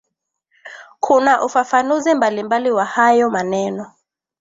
kuna ufafanuzi mbalimbali wa hayo maneno